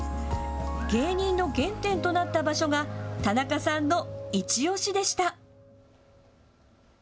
芸人の原点となった場所が田中さんのいちオシでした。